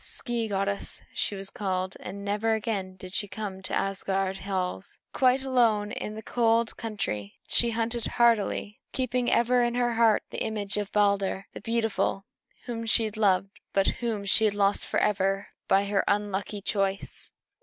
"Skee goddess," she was called; and never again did she come to Asgard halls. Quite alone in the cold country, she hunted hardily, keeping ever in her heart the image of Balder the beautiful, whom she loved, but whom she had lost forever by her unlucky choice.